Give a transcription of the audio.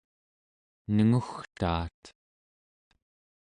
nengugtaat